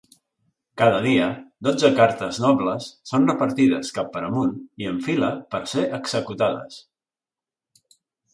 Cada dia, dotze cartes nobles són repartides cap per amunt i en fila per ser executades.